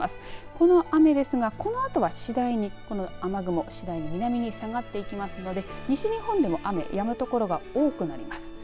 この雨ですが、このあとは次第にこの雨雲次第に南に下がっていきますので西日本でも雨やむ所が多くなります。